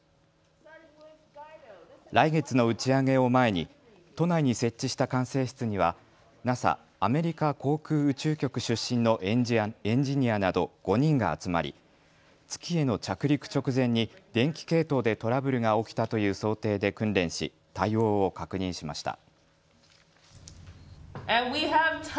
来月の打ち上げを前に都内に設置した管制室にはＮＡＳＡ・アメリカ航空宇宙局出身のエンジニアなど５人が集まり月への着陸直前に電気系統でトラブルが起きたという想定で訓練し対応を確認しました。